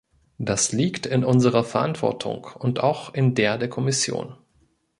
Das liegt in unserer Verantwortung und auch in der der Kommission.